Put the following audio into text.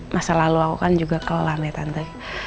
masa lalu aku kan juga kelelam ya tante